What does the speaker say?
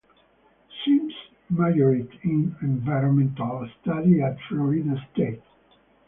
Sims majored in Environmental Studies at Florida State.